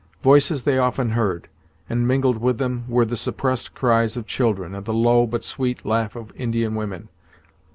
Voices they often heard, and mingled with them were the suppressed cries of children, and the low but sweet laugh of Indian women.